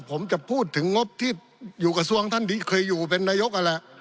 ผมจะพูดถึงงบที่อยู่กระทรวงท่านที่เคยอยู่เป็นนายกนั่นแหละ